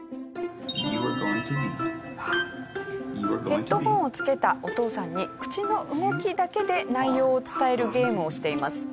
ヘッドホンをつけたお父さんに口の動きだけで内容を伝えるゲームをしています。